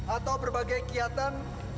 atau berbagai kegiatan